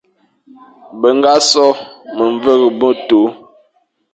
Be ñga sô memveghe ve tu,